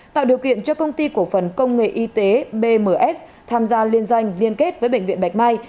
tạo điều kiện cho công ty cổ phần công nghệ y tế bms tham gia liên doanh liên kết với bệnh viện bạch mai